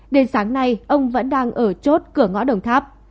đến sáng nay ông vẫn đang ở chốt cửa ngõ đồng tháp